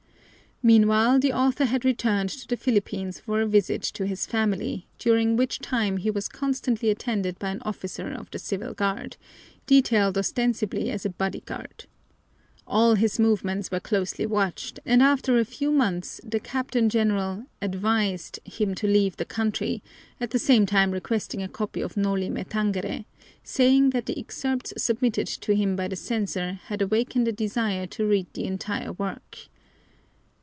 Meanwhile, the author had returned to the Philippines for a visit to his family, during which time he was constantly attended by an officer of the Civil Guard, detailed ostensibly as a body guard. All his movements were closely watched, and after a few months the Captain General "advised" him to leave the country, at the same time requesting a copy of Noli Me Tangere, saying that the excerpts submitted to him by the censor had awakened a desire to read the entire work.